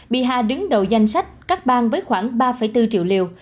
biha đứng đầu danh sách các bang với khoảng ba bốn triệu liều